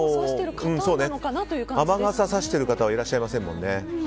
雨傘をさしている方はいらっしゃいませんね。